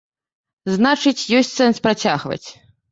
Значыць, ёсць сэнс працягваць.